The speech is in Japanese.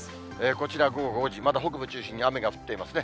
こちら午後５時、まだ北部中心に雨が降っていますね。